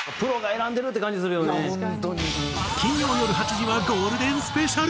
金曜よる８時はゴールデンスペシャル。